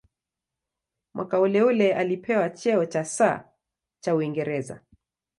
Mwaka uleule alipewa cheo cha "Sir" cha Uingereza.